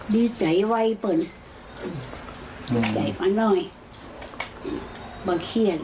ไม่ต้องเครียดรึอ๋อ